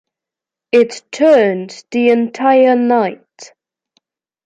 It turned the entire night...